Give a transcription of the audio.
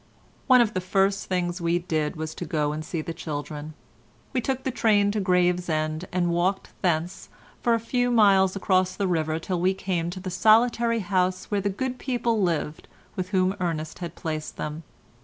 One of the first things we did was to go and see the children; we took the train to Gravesend, and walked thence for a few miles along the riverside till we came to the solitary house where the good people lived with whom Ernest had placed them.